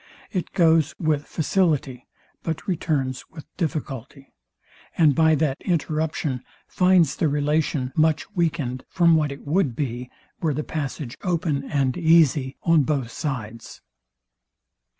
It goes with facility, but returns with difficulty; and by that interruption finds the relation much weakened from what it would be were the passage open and easy on both sides.